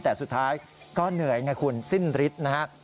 แต่สุดท้ายก็เหนื่อยไงคุณสิ้นฤทธิ์นะฮะ